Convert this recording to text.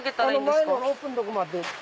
前のロープのとこまで。